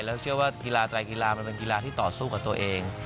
แล้วเชื่อว่ากีฬาไตรกีฬามันเป็นกีฬาที่ต่อสู้กับตัวเอง